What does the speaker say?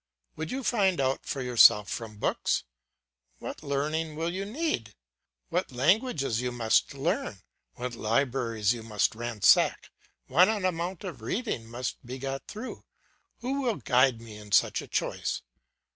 Would you find out for yourself from books? What learning you will need! What languages you must learn; what libraries you must ransack; what an amount of reading must be got through! Who will guide me in such a choice?